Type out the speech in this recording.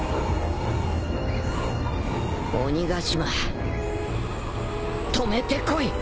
鬼ヶ島止めてこい！